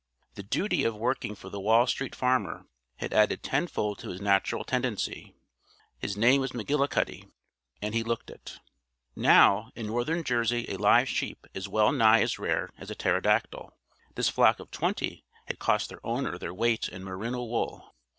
The duty of working for the Wall Street Farmer had added tenfold to the natural tendency. His name was McGillicuddy, and he looked it. Now, in northern New Jersey a live sheep is well nigh as rare as a pterodactyl. This flock of twenty had cost their owner their weight in merino wool.